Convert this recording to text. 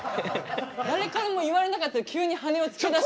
誰からも言われなかったけど急に羽をつけだしました。